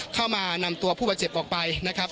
เข้ามานำตัวผู้บาดเจ็บออกไปนะครับ